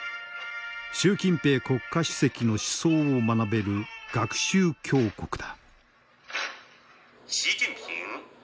習近平国家主席の思想を学べる「学習強国」だ。